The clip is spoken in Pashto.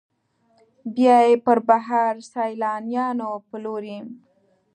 بیا یې پر بهر سیلانیانو پلوري.